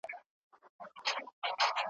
کشپ وژړل چي زه هم دلته مرمه `